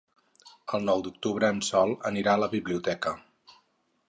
El nou d'octubre en Sol anirà a la biblioteca.